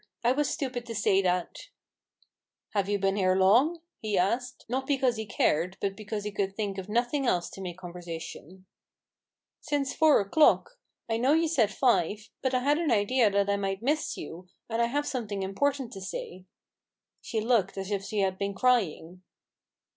I was stupid to say that !"' Have you been here long ?" he asked, not because he cared, but because he could think of nothing else to make conversation. 164 A BOOK OF BARGAINS. " Since four o'clock. I know you said five, bat I had an idea that I might miss you, and I have something important to say," She looked as if she had been crying.